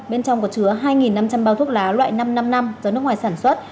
bên trong có chứa hai năm trăm linh bao thuốc lá loại năm trăm năm mươi năm do nước ngoài sản xuất